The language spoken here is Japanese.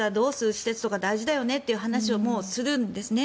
施設とか大事だよねという話をもうするんですね。